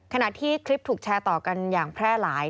ขณะที่คลิปถูกแชร์ต่อกันอย่างแพร่หลาย